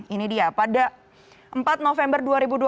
ini dia pada empat november dua ribu dua puluh